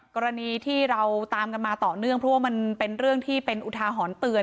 กรณีที่เราตามกันมาต่อเนื่องเพราะว่ามันเป็นเรื่องที่เป็นอุทาหรณ์เตือน